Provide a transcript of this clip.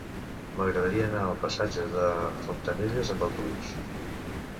M'agradaria anar al passatge de Fontanelles amb autobús.